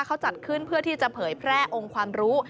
เขาจัดขึ้นเพื่อที่จะเผยแพร่องค์ความรู้